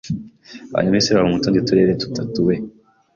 Abanyamisiri baba mu tundi turere tutatuwe